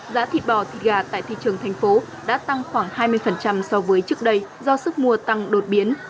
giá thịt bò thịt gà tại thị trường thành phố đã tăng khoảng hai mươi so với trước đây do sức mua tăng đột biến